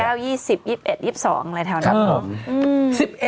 ๑๙๒๐๒๑๒๒อะไรแถวนั้นครับผมครับ